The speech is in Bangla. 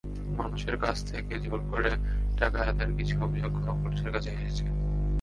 মানুষের কাছ থেকে জোর করে টাকা আদায়ের কিছু অভিযোগও পুলিশের কাছে এসেছে।